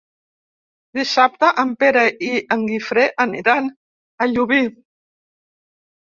Dissabte en Pere i en Guifré aniran a Llubí.